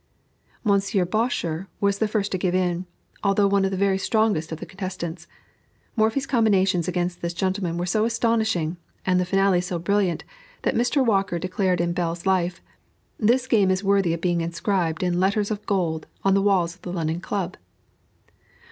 Monsieur Baucher was the first to give in, although one of the very strongest of the contestants; Morphy's combinations against this gentleman were so astonishing, and the finale so brilliant, that Mr. Walker declared in Bell's Life "This game is worthy of being inscribed in letters of gold, on the walls of the London Club."